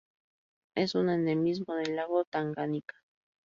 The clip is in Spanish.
Es un endemismo del lago Tanganika.